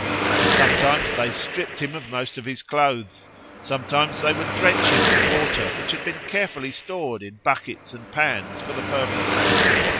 Sometimes they stripped him of most of his clothes, sometimes they would drench him with water which had been carefully stored in buckets and pans for the purpose.